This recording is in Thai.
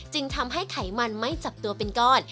จึงทำให้ไขมันไม่จับตัวเป็นก้อน